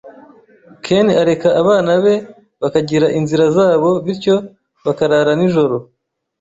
Ken areka abana be bakagira inzira zabo, bityo bakarara nijoro.